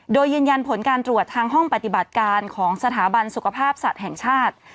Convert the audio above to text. โดยยืนยันผลการตรวจทางห้องปฏิบัติการของสถาบันสุขภาพสัตว์แห่งชาติ